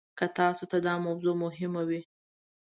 که تاسو ته دا موضوع مهمه وي.